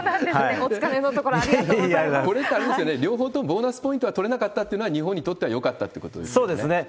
お疲れのとここれってあれですよね、両方ともボーナスポイント取れなかったということは、日本にとっそうですね。